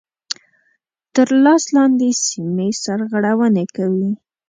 تر لاس لاندي سیمي سرغړوني کوي.